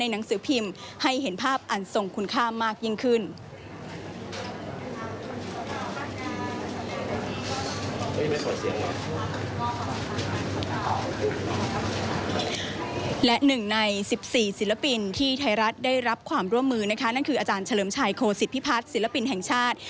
และหนึ่งใน๑๔ศิลปินที่ไทยรัฐได้รับความร่วมมือนะคะนั่นคืออาจารย์เฉลิมชัยโคศิษฐพิพัฒน์ศิลปินแห่งชาติ